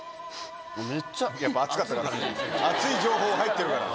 熱い情報入ってるから。